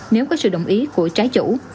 nếu có sự đồng ý của trái chủ